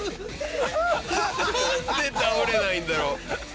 なんで倒れないんだろう？